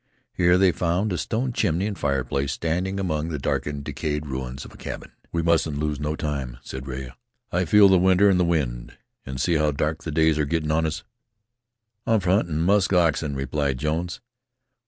Here they found a stone chimney and fireplace standing among the darkened, decayed ruins of a cabin. "We mustn't lose no time," said Rea. "I feel the winter in the wind. An' see how dark the days are gettin' on us." "I'm for hunting musk oxen," replied Jones.